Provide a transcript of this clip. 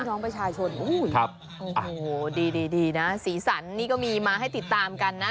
โอ้โหดีนะศีรษรนี้ก็มีมาให้ติดตามกันนะ